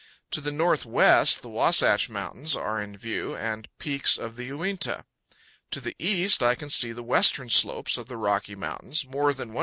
To the northwest the Wasatch Mountains are in view, and peaks of the Uinta. To the east I can see the western slopes of the Rocky Mountains, powell canyons 116.